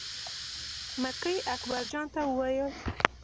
مکۍ اکبر جان ته وویل.